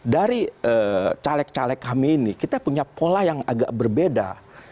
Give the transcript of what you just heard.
dari caleg caleg kami ini kita punya pola yang agak berbeda